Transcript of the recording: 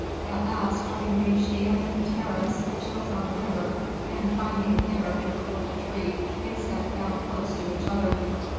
At last, having reached the end of the terrace which looks on the river, and finding there a cool retreat, they sat down close to each other.